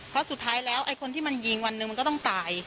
เพราะสุดท้ายแล้วไอ้คนที่มันยิงวันหนึ่งมันก็ต้องตาย